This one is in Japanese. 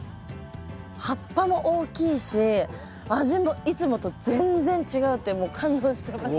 葉っぱも大きいし味もいつもと全然違うってもう感動してました。